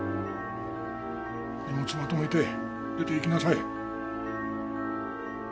荷物をまとめて出て行きなさい。